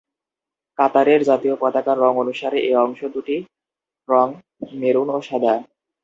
কাতারের জাতীয় পতাকার রং অনুসারে এ অংশ দুটির রং মেরুন ও সাদা।